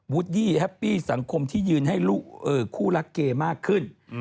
ูดดี้แฮปปี้สังคมที่ยืนให้คู่รักเกย์มากขึ้น